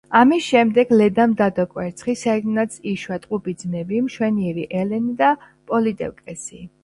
ამის შემდეგ ლედამ დადო კვერცხი, საიდანაც იშვა ტყუპი ძმები, მშვენიერი ელენე და პოლიდევკესი.